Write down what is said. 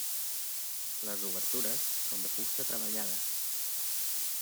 Les obertures són de fusta treballada.